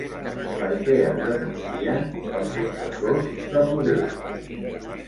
Per què es denuncien els successors de Rodés?